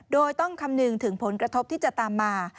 โดยต้องคำนึงถึงผลกระทบที่จะตามมา